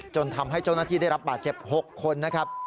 ทำให้เจ้าหน้าที่ได้รับบาดเจ็บ๖คนนะครับ